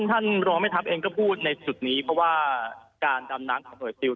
ท่านรองแม่ทัพเองก็พูดในจุดนี้เพราะว่าการดำน้ำของหน่วยซิล